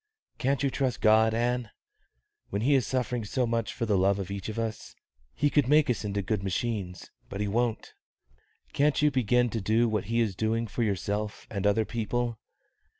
"Can't you trust God, Ann? When He is suffering so much for love of each of us? He could make us into good machines, but He won't. Can't you begin to do what He is doing for yourself and other people?